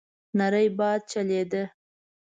نری باد چلېده.